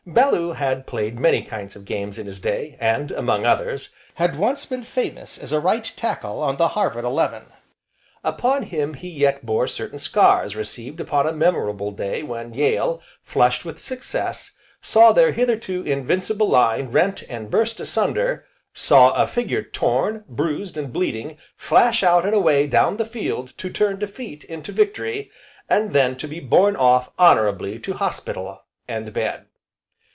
Bellew had played many kinds of games in his day, and, among others, had once been famous as a Eight Tackle on the Harvard Eleven. Upon him he yet bore certain scars received upon a memorable day when Yale, flushed with success, saw their hitherto invincible line rent and burst asunder, saw a figure torn, bruised, and bleeding, flash out and away down the field to turn defeat into victory, and then to be borne off honourably to hospital, and bed.